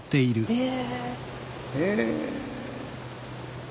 へえ。